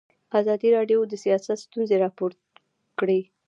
ازادي راډیو د سیاست ستونزې راپور کړي.